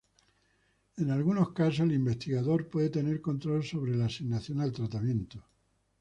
En algunos casos, el investigador puede tener control sobre la asignación al tratamiento.